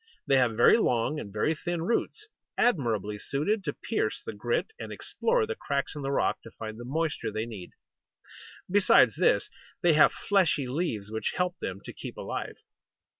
They have very long and very thin roots, admirably suited to pierce the grit, and explore the cracks in the rock, to find the moisture they need. Besides this, they have fleshy leaves which help them to keep alive.